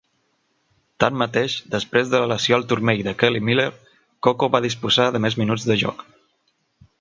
Tanmateix, després de la lesió al turmell de Kelly Miller, Coco va disposar de més minuts de joc.